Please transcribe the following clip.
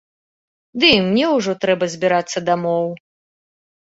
Ды і мне ўжо трэба збірацца дамоў.